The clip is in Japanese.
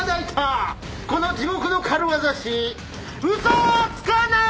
この地獄の軽業師嘘はつかなーい！